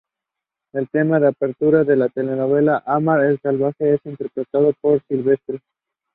Recently, they were actually supported by Chile as representatives of Chilean culture.